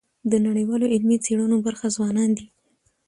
د نړیوالو علمي څيړنو برخه ځوانان دي.